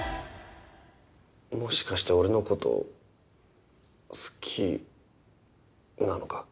もしかして俺の事好きなのか？